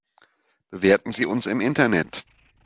Bewerten Sie uns im Internet!